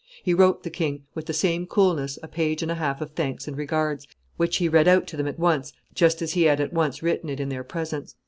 He wrote the king, with the same coolness, a page and a half of thanks and regards, which he read out to them at once just as he had at once written it in their presence.